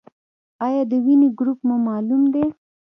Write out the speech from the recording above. ایا د وینې ګروپ مو معلوم دی؟